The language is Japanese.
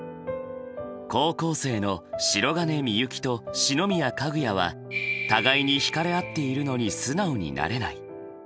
高校生の白銀御行と四宮かぐやは互いにひかれ合っているのに素直になれない。